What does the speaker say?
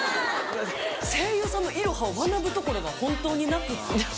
声優さんのいろはを学ぶところが本当になくって。